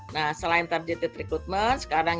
nah selain target recruitment sekarang